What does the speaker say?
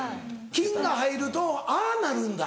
菌が入るとああなるんだ。